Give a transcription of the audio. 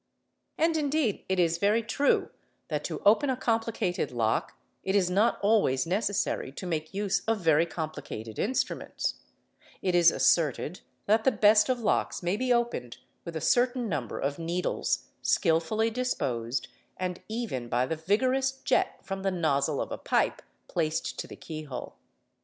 And indeed it is very true that to open a complicated lock it is not always necessary to make use of very complicated instruments; it is asserted that the best of locks may be opened with a certain number of needles skilfully disposed and even by the vigorous jet from the nozzle of a pipe placed to the keyhole.